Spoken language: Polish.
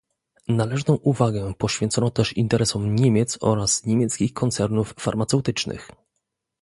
Należną uwagę poświęcono też interesom Niemiec oraz niemieckich koncernów farmaceutycznych